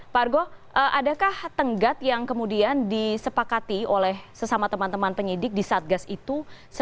pak argo adakah tenggat yang kemudian disepakati oleh sesama teman teman penyidik di satgas itu